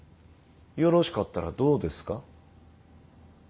よろしかったらどうですか？